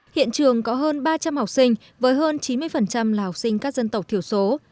hiện trường có hơn ba trăm linh học sinh với hơn chín mươi là học sinh các dân tộc thiểu số